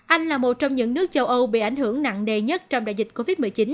anh là một trong những nước châu âu bị ảnh hưởng nặng đề nhất trong đại dịch covid một mươi chín